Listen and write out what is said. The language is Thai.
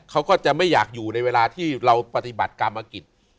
เขาก็จะไม่อยากอยู่ในเวลาที่เราปฏิบัติกรรมกิจ